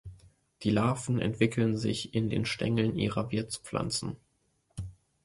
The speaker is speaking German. Die Larven entwickeln sich in den Stängeln ihrer Wirtspflanzen.